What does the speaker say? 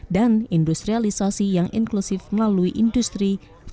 dan industrialisasi yang inklusif melalui industri empat